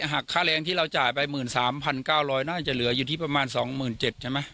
หักค่าแรงที่เราจ่ายไป๑๓๙๐๐น่าจะเหลืออยู่ที่ประมาณ๒๗๐๐ใช่ไหม